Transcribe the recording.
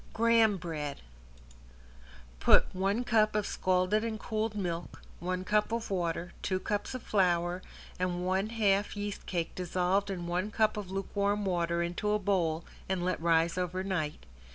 ~GRAHAM BREAD~ Put one cup of scalded and cooled milk, one cup of water, two cups of flour and one half yeast cake dissolved in one cup of lukewarm water into a bowl and let rise over night.